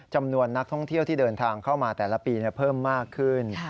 จำนวนนักท่องเที่ยวที่เดินทางเข้ามาแต่ละปีเพิ่มมากขึ้น